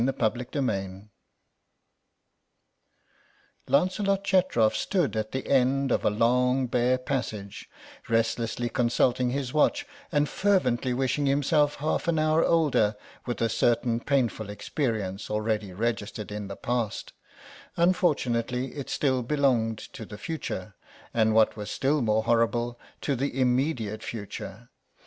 CHAPTER II LANCELOT CHETROF stood at the end of a long bare passage, restlessly consulting his watch and fervently wishing himself half an hour older with a certain painful experience already registered in the past; unfortunately it still belonged to the future, and what was still more horrible, to the immediate future.